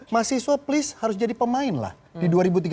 mahasiswa please harus jadi pemain lah di dua ribu tiga belas